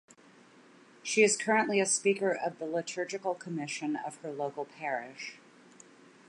She is currently a speaker of the Liturgical Commission of her local parish.